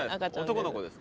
男の子です。